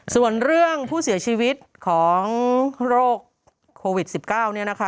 ส่วนเรื่องผู้เสียชีวิตของโรคโควิด๑๙เนี่ยนะคะ